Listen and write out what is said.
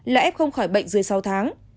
lãi ép không khỏi bệnh dưới sáu tháng